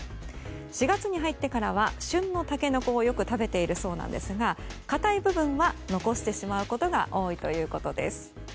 ４月に入ってからは旬のタケノコをよく食べているそうですが硬い部分は残してしまうことが多いということです。